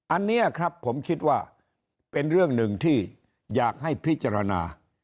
อันนี้ครับผมคิดว่าเป็นเรื่องหนึ่งที่อยากให้พิจารณา